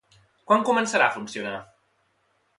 Quan començarà a funcionar?